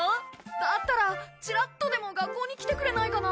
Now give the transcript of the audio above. だったらチラッとでも学校に来てくれないかな。